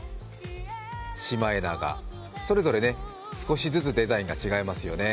シマエナガ、それぞれ少しずつデザインが違いますよね。